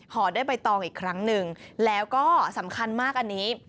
ห่อด้วยใบตองอีกครั้งหนึ่งแล้วก็สำคัญมากอันนี้